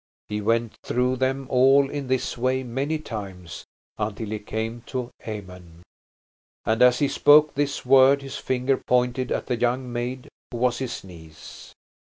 He went through them all in this way many times, until he came to Amen. And as he spoke this word his finger pointed at the young maid who was his niece.